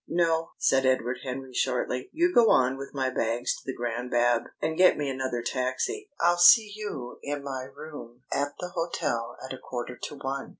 "No," said Edward Henry shortly. "You go on with my bags to the Grand Bab, and get me another taxi. I'll see you in my room at the hotel at a quarter to one.